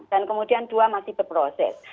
dan kemudian dua masih berproses